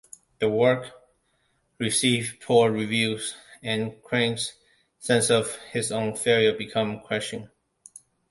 The work received poor reviews, and Crane's sense of his own failure became crushing.